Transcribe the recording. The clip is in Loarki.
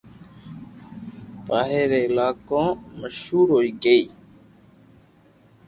پاھي ري علائقون مشھور ھوئي گئي